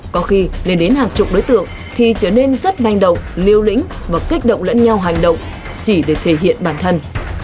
có khi lên đến hàng chục đối tượng thì trở nên rất manh động liêu lĩnh và kích động lẫn nhau hành động chỉ để thể hiện bản thân